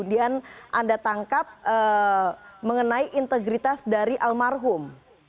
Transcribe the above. anda tangkap mengenai integritas dari almarhum